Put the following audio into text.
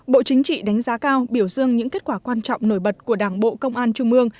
bộ chính trị đánh giá cao biểu dương những kết quả quan trọng nổi bật của đảng bộ công an trung ương